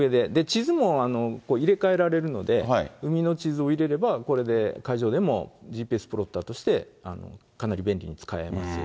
地図も入れ替えられるので、海の地図を入れれば、これで海上でもＧＰＳプロッターとして、かなり便利に使えます。